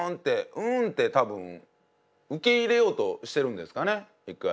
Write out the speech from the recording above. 「うん」って多分受け入れようとしてるんですかね一回。